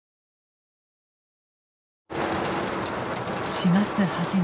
４月初め。